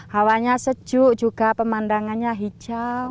hawanya sejuk juga pemandangannya hijau